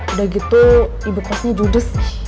udah gitu ibu kosnya judes